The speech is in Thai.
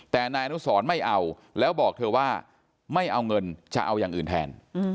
แต่นายอนุสรไม่เอาแล้วบอกเธอว่าไม่เอาเงินจะเอาอย่างอื่นแทน